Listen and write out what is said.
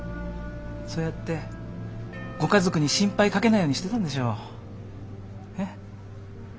そうやってご家族に心配かけないようにしてたんでしょう。ね。